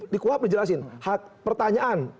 dikuap dijelasin hak pertanyaan